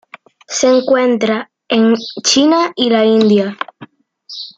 Se encuentran en China y la India.